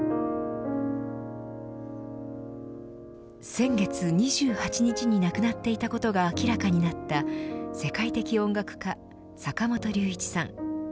先月２８日に亡くなっていたことが明らかになった世界的音楽家坂本龍一さん。